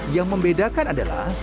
yang membedakan adalah